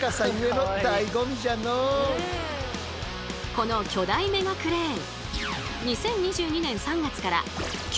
この巨大メガクレーン